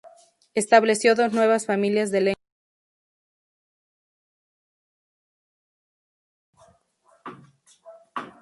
Estableció dos nuevas familias de lenguas, la malayo-polinesia y la fino-ugria.